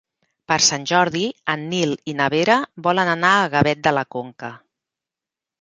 Per Sant Jordi en Nil i na Vera volen anar a Gavet de la Conca.